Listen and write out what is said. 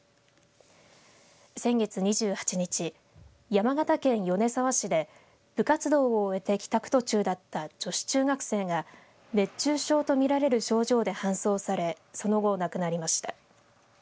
先月２８日山形県米沢市で部活動を終えて帰宅途中だった女子中学生が熱中症と見られる症状で搬送されその後亡くなりました。